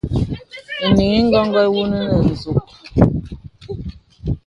Enīŋ óngolə̀ ewone ìnə nzûg.